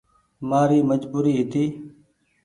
مآري مجبوري هيتي۔